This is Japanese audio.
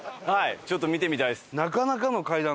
ちょっと見てみたいです。